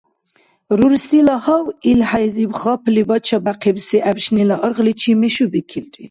Рурсила гьав илхӀяйзиб хапли бача-бяхъибси гӀебшнила аргъличи мешубикилри.